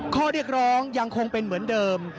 ข้อเรียกร้องยังคงเป็นเหมือนเดิม